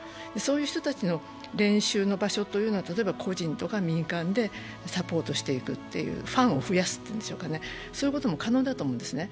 そういう人たちの練習の場所は例えば個人や民間でサポートしていくという、ファンを増やすということも可能だと思うんです。